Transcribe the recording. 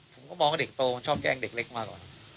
ผมก็มองว่าเด็กโตมันชอบแกล้งเด็กเล็กมาก่อน